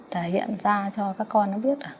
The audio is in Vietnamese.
thể hiện ra cho các con nó biết